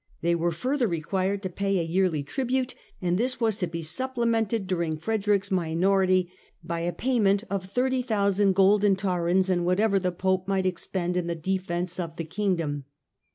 They were further required to pay a yearly tribute, and this was to be supplemented, during Frederick's minority, by a pay ment of 30,000 golden tarins and whatever the Pope might expend in the defence of the Kingdom.